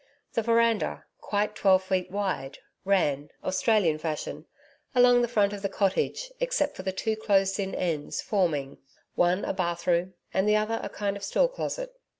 The veranda, quite twelve feet wide, ran Australian fashion along the front of the cottage, except for the two closed in ends forming, one a bathroom and the other a kind of store closet.